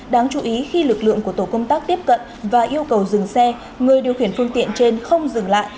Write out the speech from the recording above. đáng chú ý khi lực lượng của tổ công tác tiếp cận và yêu cầu dừng xe người điều khiển phương tiện trên không dừng lại